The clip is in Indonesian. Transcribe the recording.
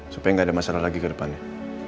supaya nggak ada masalah lagi ke depannya